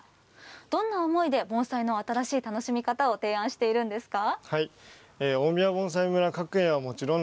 どんな思いで盆栽の新しい楽しみ方を提案しているんですか。